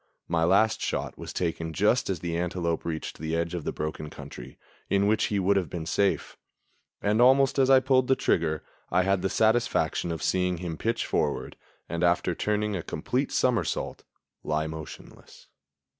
My last shot was taken just as the antelope reached the edge of the broken country, in which he would have been safe; and almost as I pulled the trigger I had the satisfaction of seeing him pitch forward and, after turning a complete somersault, lie motionless.